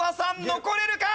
残れるか？